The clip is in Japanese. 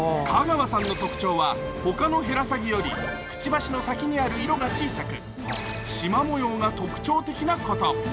香川さんの特徴は、他のヘラサギよりくちばしの先にある色が小さく、しま模様が特徴的なこと。